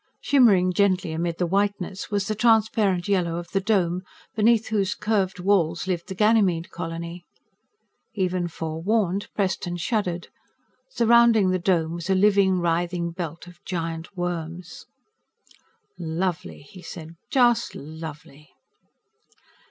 Shimmering gently amid the whiteness was the transparent yellow of the Dome beneath whose curved walls lived the Ganymede Colony. Even forewarned, Preston shuddered. Surrounding the Dome was a living, writhing belt of giant worms. "Lovely," he said. "Just lovely."